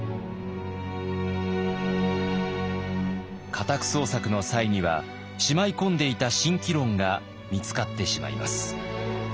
家宅捜索の際にはしまいこんでいた「慎機論」が見つかってしまいます。